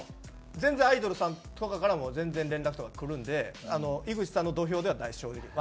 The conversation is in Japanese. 全然アイドルさんとかからも全然連絡とか来るんで井口さんの土俵ではないです